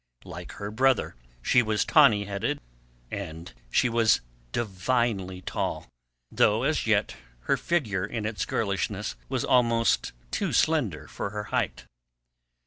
Like her brother she was tawny headed and she was divinely tall, though as yet her figure in its girlishness was almost too slender for her height.